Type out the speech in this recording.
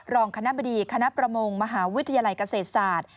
รองคณะบดีคณะประมงมหาวิทยาลัยเกษตรศาสตร์